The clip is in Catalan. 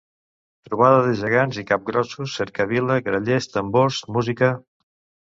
Trobada de gegants i capgrossos, cercavila, grallers, tambors, música.